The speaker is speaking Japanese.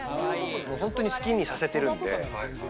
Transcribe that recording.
本当に好きにさせてるんで。